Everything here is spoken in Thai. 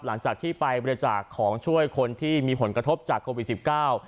หลังจากที่ไปบริจาคของช่วยคนที่มีผลกระทบจากโควิดสิบเก้า